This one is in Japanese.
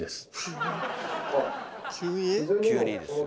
急にですよ。